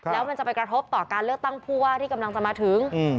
แล้วมันจะไปกระทบต่อการเลือกตั้งผู้ว่าที่กำลังจะมาถึง